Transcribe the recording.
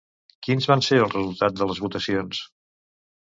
Quins van ser els resultats de les votacions?